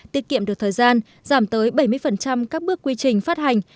tiết kiệm được thời gian giảm tới bảy mươi các bước quy trình phát hành